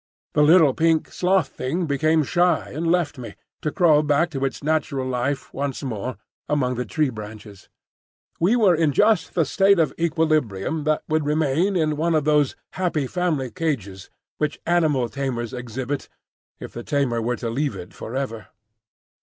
The little pink sloth thing became shy and left me, to crawl back to its natural life once more among the tree branches. We were in just the state of equilibrium that would remain in one of those "Happy Family" cages which animal tamers exhibit, if the tamer were to leave it for ever.